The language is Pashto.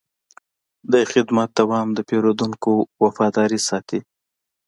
د خدمت دوام د پیرودونکو وفاداري ساتي.